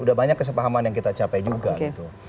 udah banyak kesepahaman yang kita capai juga gitu